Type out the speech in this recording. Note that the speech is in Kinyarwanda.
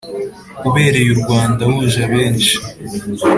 ubereye u rwanda wuje abenshi,